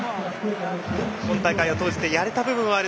今大会を通してやれた部分はある。